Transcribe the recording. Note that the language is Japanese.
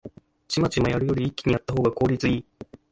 チマチマやるより一気にやったほうが効率いい